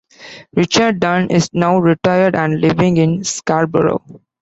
Richard Dunn is now retired and living in Scarborough.